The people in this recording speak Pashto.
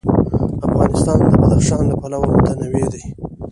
افغانستان د بدخشان له پلوه متنوع دی.